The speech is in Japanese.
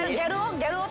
ギャル男？